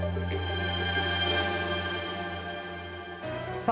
さあ